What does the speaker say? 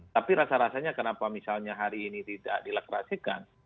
tapi rasa rasanya kenapa misalnya hari ini tidak dilakrasikan